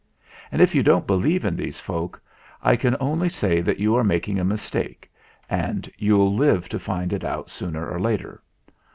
And if you don't believe in these folk, I can only say that you are making a mistake and you'll live to find it out sooner or later.